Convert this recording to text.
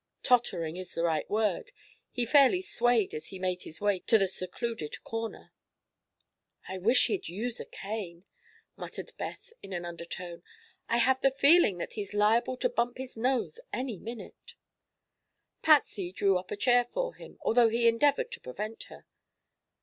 Tottering is the right word; he fairly swayed as he made his way to the secluded corner. "I wish he'd use a cane," muttered Beth in an undertone. "I have the feeling that he's liable to bump his nose any minute." Patsy drew up a chair for him, although he endeavored to prevent her.